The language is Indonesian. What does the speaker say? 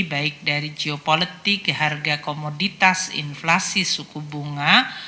baik dari geopolitik ke harga komoditas inflasi suku bunga